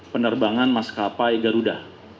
penerbangan maskapai garuda